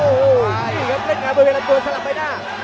โอ้โหนี่ครับเล่นงานบริเวณลำตัวสลับใบหน้า